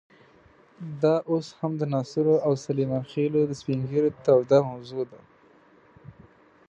دا اوس هم د ناصرو او سلیمان خېلو د سپین ږیرو توده موضوع ده.